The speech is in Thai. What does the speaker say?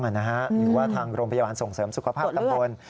หรือว่าทางโรงพยาบาลส่งเสริมสุขภาพตำบล